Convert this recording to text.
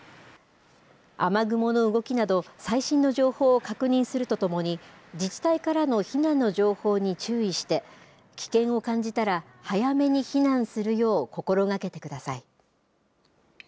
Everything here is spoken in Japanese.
雨雲の動きなど、最新の情報を確認するとともに、自治体からの避難の情報に注意して、危険を感じたら、早めに避難するよう心がけてください。